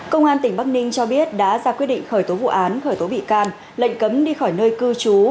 công an tỉnh bắc ninh cho biết đã ra quyết định khởi tố vụ án khởi tố bị can lệnh cấm đi khỏi nơi cư trú